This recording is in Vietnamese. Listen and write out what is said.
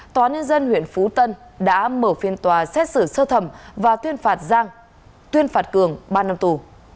tòa nhân dân huyện phú tân đã mở phiên tòa xét xử sơ thẩm và tuyên phạt cường ba năm tù